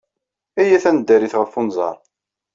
Iyyat ad neddarit ɣef unẓar.